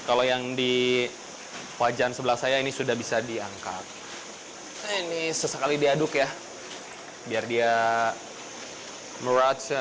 kalau yang di wajan sebelah saya ini sudah bisa diangkat ini sesekali diaduk ya biar dia nuraca